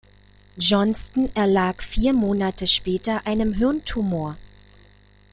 Johnston erlag vier Monate später einem Hirntumor.